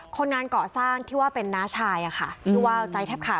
คนงานเกาะสร้างที่ว่าเป็นน้าชายอะค่ะชื่อว่าวใจแทบขาด